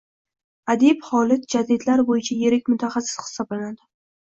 Adib Xolid jadidlar bo'yicha yirik mutaxassis hisoblanadi.